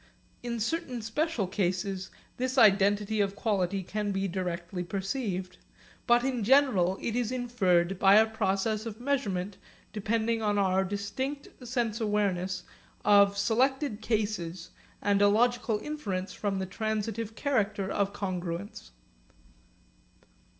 In certain special cases this identity of quality can be directly perceived. But in general it is inferred by a process of measurement depending on our direct sense awareness of selected cases and a logical inference from the transitive character of congruence.